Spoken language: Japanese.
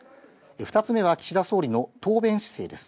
２つ目は岸田総理の答弁姿勢です。